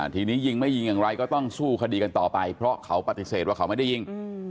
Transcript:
ทีนี้ยิงไม่ยิงอย่างไรก็ต้องสู้คดีกันต่อไปเพราะเขาปฏิเสธว่าเขาไม่ได้ยิง